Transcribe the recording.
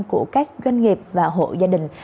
của các doanh nghiệp và hộ gia đình